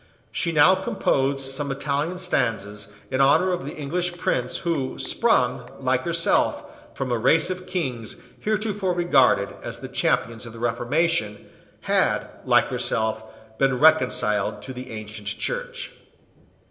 She now composed some Italian stanzas in honour of the English prince who, sprung, like herself, from a race of Kings heretofore regarded as the champions of the Reformation, had, like herself, been reconciled to the ancient Church.